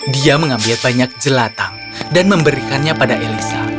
dia mengambil banyak jelatang dan memberikannya pada elisa